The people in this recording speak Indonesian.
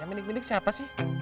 ya mendik mendik siapa sih